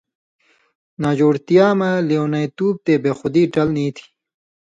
ناجُوڑتیا مہ لېونتُوب تے بےخُودی ٹَل نی تھی